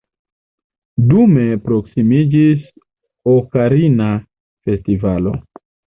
Dume proksimiĝis Okarina Festivalo.